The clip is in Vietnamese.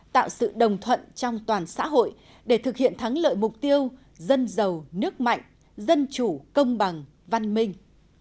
tạo sự đồng thuận trong toàn xã hội để thực hiện thắng lợi mục tiêu dân giàu nước mạnh dân chủ công bằng văn minh